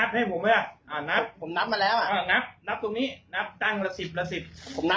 ผมกับวิน